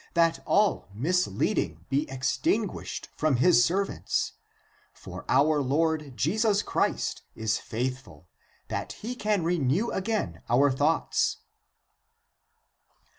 That all misleading be extinguished from his servants. For our Lord Jesus Christ is faithful, that he can renew again our thoughts."